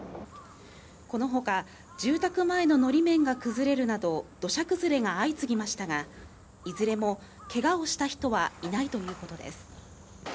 この他、住宅前ののり面が崩れるなど土砂崩れが相次ぎましたが、いずれも、けがをした人はいないということです。